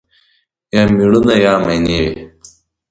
یا مېړونه یا ماينې وي